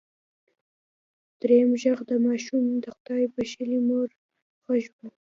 دريم غږ د ماشوم د خدای بښلې مور غږ و.